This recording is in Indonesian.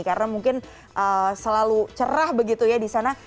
karena mungkin selalu cerah begitu ya di sana